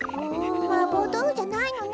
マーボーどうふじゃないのね。